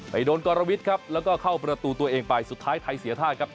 โดนกรวิทย์ครับแล้วก็เข้าประตูตัวเองไปสุดท้ายไทยเสียท่าครับ